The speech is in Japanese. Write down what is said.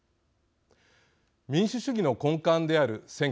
民主主義の根幹である選挙。